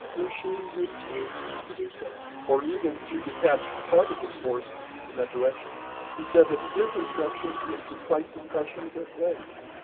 Grouchy refused to do so, or even to detach part of his force in that direction. He said that his instructions were to fight the Prussians at Wavre.